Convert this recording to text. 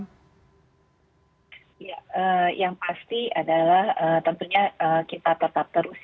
ya yang pasti adalah tentunya kita tetap terus